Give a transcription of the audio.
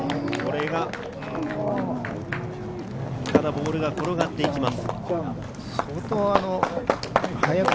ボールが転がっていきます。